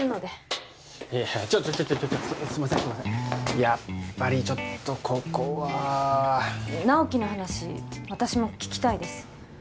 やっぱりちょっとここは直木の話私も聞きたいです